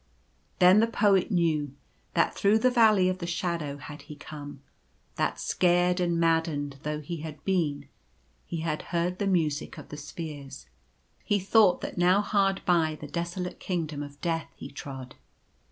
Then the Poet knew that through the Valley of the Shadow had he come ; that scared and maddened though he had been, he had heard the Music of the Spheres. He thought that now hard by the desolate Kingdom of Death he trod.